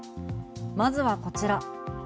まずはこちら。